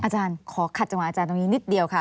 อาจารย์ขอขัดจังหวะอาจารย์ตรงนี้นิดเดียวค่ะ